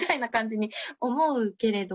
に思うけれども。